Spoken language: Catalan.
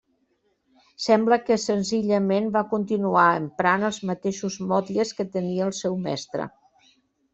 Sembla que senzillament va continuar emprant els mateixos motlles que tenia del seu mestre.